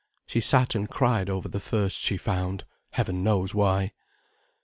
She sat and cried over the first she found: heaven knows why.